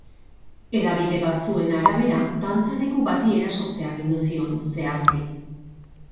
Hedabide batzuen arabera, dantzaleku bati erasotzea agindu zion, zehazki.